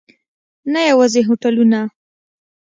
نه یوازې هوټلونه.